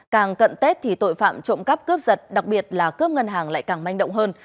càng cận tết thì tội phạm trộm cắp cướp giật đặc biệt là cướp ngân hàng lại càng manh động hơn